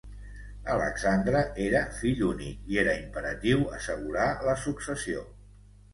Alexandre era fill únic i era imperatiu assegurar la successió.